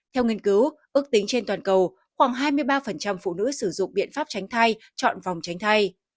theo nghiên cứu ước tính trên toàn cầu khoảng hai mươi ba phụ nữ sử dụng biện pháp tránh thai chọn vòng tránh thay